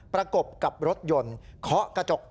ประกบกับรถยนต์เคาะกระจก